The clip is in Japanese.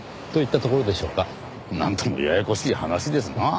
なんともややこしい話ですな。